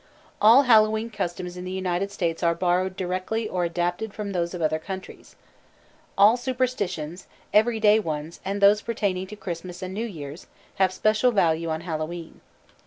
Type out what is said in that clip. All Hallowe'en customs in the United States are borrowed directly or adapted from those of other countries. All superstitions, everyday ones, and those pertaining to Christmas and New Year's, have special value on Hallowe'en.